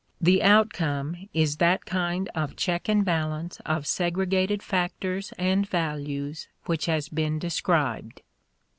The outcome is that kind of check and balance of segregated factors and values which has been described.